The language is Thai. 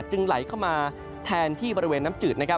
จึงไหลเข้ามาแทนที่ประเวณน้ำจืด